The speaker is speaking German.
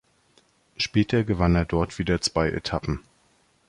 Später gewann er dort wieder zwei Etappen.